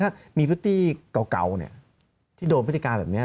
ถ้ามีพริตตี้เก่าที่โดนพฤติการแบบนี้